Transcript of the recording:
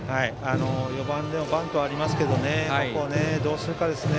４番でもバントがありますけどここをどうするかですね。